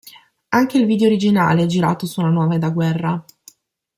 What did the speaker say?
Anche il video originale è girato su una nave da guerra.